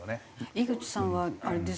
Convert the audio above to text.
井口さんはあれですか？